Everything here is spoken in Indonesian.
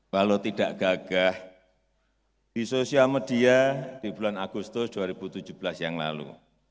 walau tidak gagah di sosial media di bulan agustus dua ribu tujuh belas yang lalu